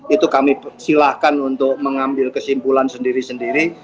itu kami persilahkan untuk mengambil kesimpulan sendiri sendiri